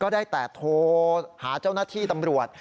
ได้แต่โทรหาเจ้าหน้าที่ตำรวจ